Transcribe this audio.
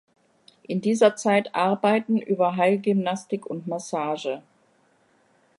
In dieser Zeit Arbeiten über Heilgymnastik und Massage.